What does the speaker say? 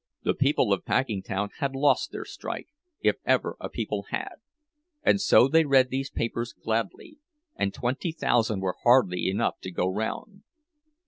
The people of Packingtown had lost their strike, if ever a people had, and so they read these papers gladly, and twenty thousand were hardly enough to go round.